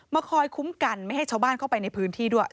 คอยคุ้มกันไม่ให้ชาวบ้านเข้าไปในพื้นที่ด้วย